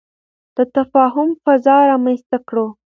د تفاهم فضا رامنځته کړو.